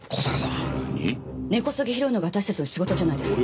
根こそぎ拾うのが私たちの仕事じゃないですか。